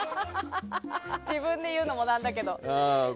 自分で言うのも何だけど。